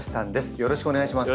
よろしくお願いします。